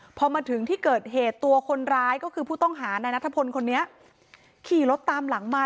พอมาถึงที่เกิดเหตุตัวคนร้ายก็คือผู้ต้องหานายนัทพลคนนี้ขี่รถตามหลังมา